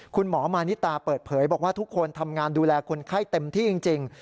คุณหมอมานิตาเปิดเผยบอกว่าทุกคนทำงานดูแลคนไข้เต็มที่จริง